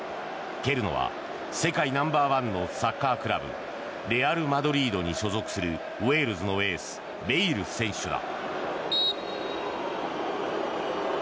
蹴るのは世界ナンバーワンのサッカークラブレアル・マドリードに所属するウェールズのエースベイル選手だ。